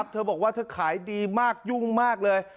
เธอบอกว่าเธอขายดีมากยุ่งมากเลย